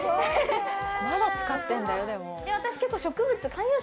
「まだ使ってるんだよでも」